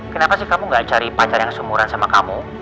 kenapa sih kamu gak cari pacar yang seumuran sama kamu